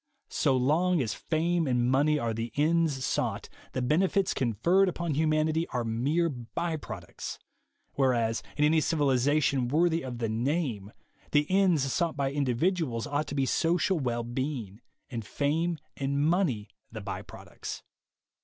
So long as fame and money are the ends sought, the benefits conferred upon humanity are mere by products; whereas, in any civilization worthy of the name, the ends sought by individuals ought to be social well being, and fame and money the by products.